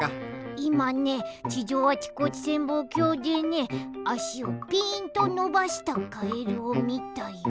いまね地上あちこち潜望鏡でねあしをぴーんとのばしたカエルをみたよ。